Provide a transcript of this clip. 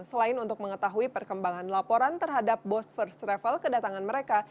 selain untuk mengetahui perkembangan laporan terhadap bos first travel kedatangan mereka